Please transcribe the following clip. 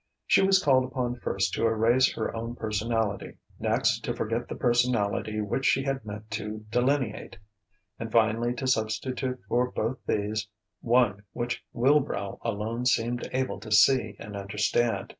She was called upon first to erase her own personality, next to forget the personality which she had meant to delineate, and finally to substitute for both these one which Wilbrow alone seemed able to see and understand.